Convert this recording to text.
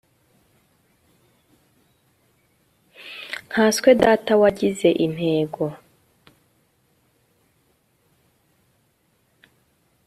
nkaswe data wagize intego